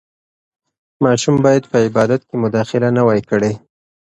ماشوم باید په عبادت کې مداخله نه وای کړې.